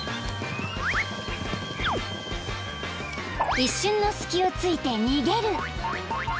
［一瞬の隙を突いて逃げる］